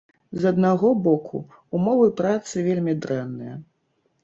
З аднаго боку, умовы працы вельмі дрэнныя.